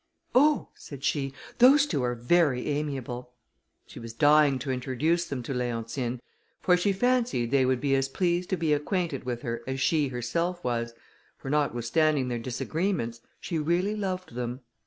"Oh!" said she, "those two are very amiable." She was dying to introduce them to Leontine, for she fancied they would be as pleased to be acquainted with her as she herself was, for, notwithstanding their disagreements, she really loved them.